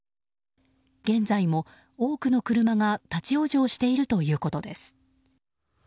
現在も多くの車が立ち往生しているということです。